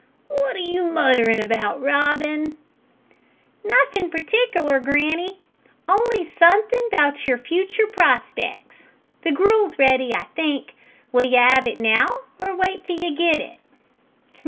"What are you muttering about, Robin?" "Nuffin' partikler, granny. On'y suthin' about your futur' prospec's. The gruel's ready, I think. Will you 'ave it now, or vait till you get it?"